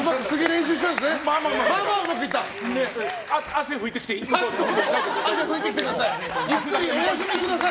汗拭いてきていい？